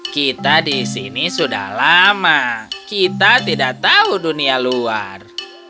kita di sini sudah lama kita tidak tahu dunia luar